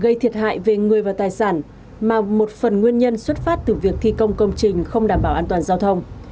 gây thiệt hại về người và tài sản mà một phần nguyên nhân xuất phát từ việc thi công công trình không đảm bảo an toàn giao thông